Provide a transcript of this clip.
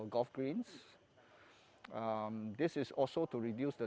untuk mengurangi jumlah poin sentuh